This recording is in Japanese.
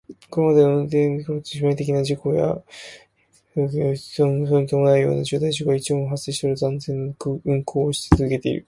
これまでの運航期間中、致命的な事故や航空機の全損に至るような重大事故は一度も発生しておらず、安全な運航を続けています。